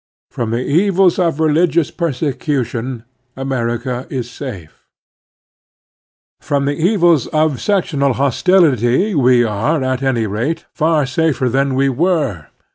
From the evils of religious persecution America is safe. From the evils of sectional hostiUty we are, at any rate, far safer than we were.